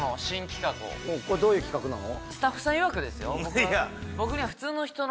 これどういう企画なの？